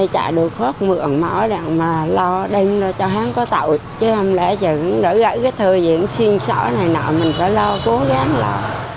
chứ không lẽ chẳng đổi gãy cái thừa diễn thiên sở này nọ mình phải lo cố gắng lọ